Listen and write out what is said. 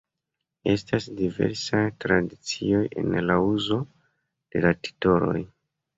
Estas diversaj tradicioj en la uzo de la titoloj.